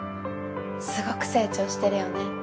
すごく成長してるよね。